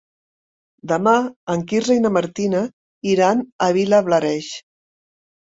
Demà en Quirze i na Martina iran a Vilablareix.